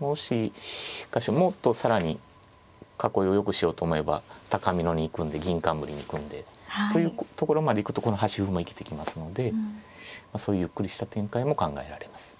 もしかしてもっと更に囲いをよくしようと思えば高美濃に組んで銀冠に組んでというところまで行くとこの端歩も生きてきますのでまあそういうゆっくりした展開も考えられます。